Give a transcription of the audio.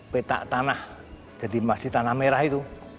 petak tanah jadi masih tanah merah itu